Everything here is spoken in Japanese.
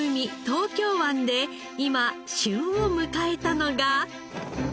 東京湾で今旬を迎えたのが。